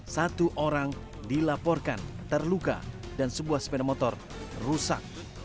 satu orang dilaporkan terluka dan sebuah sepeda motor rusak